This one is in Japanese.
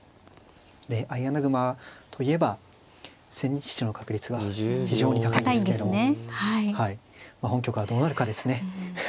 で相穴熊といえば千日手の確率が非常に高いんですけど本局はどうなるかですね。